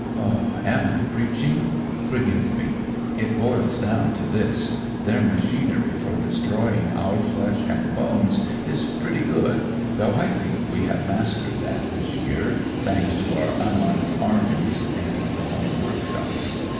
" Am I preaching ? Forgive me. It boils down to this : their machinery for destroying our flesh and bones is pretty good, though I think we have mastered that this year, thanks to our unarmed annies in the home workshops.